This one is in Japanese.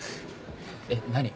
えっ何？